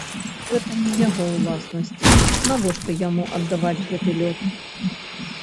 Гэта не яго ўласнасць, навошта яму аддаваць гэты лёд?